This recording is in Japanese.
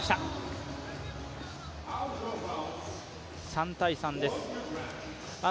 ３−３です。